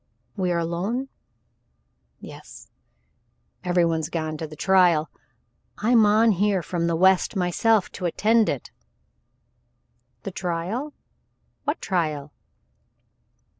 We are alone? Yes. Every one's gone to the trial. I'm on here from the West myself to attend it." "The trial! What trial?"